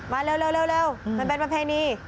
มาเร็วมันเป็นประเพณี